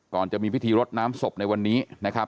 จะมีพิธีรดน้ำศพในวันนี้นะครับ